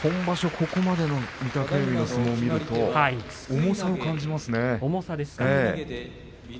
ここまでの御嶽海の相撲を見ると重さを感じますね。